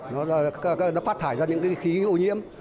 nó phát thải ra những khí ô nhiễm